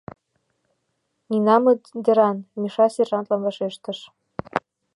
Нинамыт деран, — Миша сержантлан вашештыш.